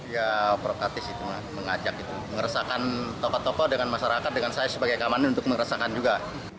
ya proktatis itu mengajak itu mengeresahkan tokoh tokoh dengan masyarakat dengan saya sebagai keamanan untuk meresakan juga